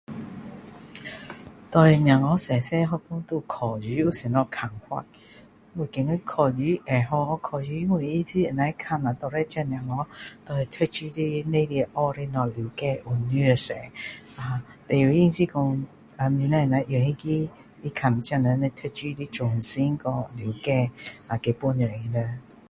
对小孩小小学校有考试有什么看法我觉得考试会好考试因为它看下到底这小孩对读书的里面学的东西了解有多少最主要是说你只能用那个里看这人读书的专心和了解呃再帮助他们